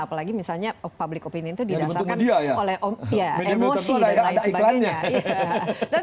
apalagi misalnya public opinion itu didasarkan oleh emosi dan lain sebagainya